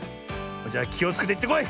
じゃあきをつけていってこい！